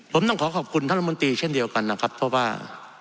ผมต้องขอขอบคุณท่านรัฐมนตรีเช่นเดียวกันนะครับเพราะว่า